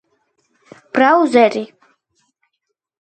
ბრაუზერი